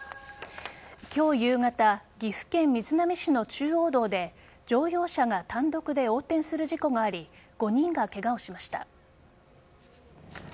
今日夕方岐阜県瑞浪市の中央道で乗用車が単独で横転する事故があり５人がケガをしました。